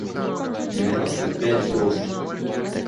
девяносто пять груш